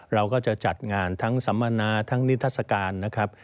เราก็จะจัดงานทั้งสัมมนาทั้งนิทัศกาลนะครับ